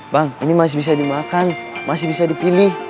bang ini masih bisa dimakan masih bisa dipilih